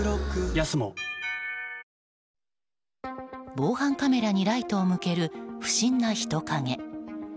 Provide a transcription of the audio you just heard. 防犯カメラにライトを向ける不審な人影。